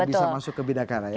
atau bisa masuk ke bidakaran ya